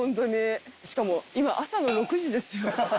しかも今朝の６時ですよ。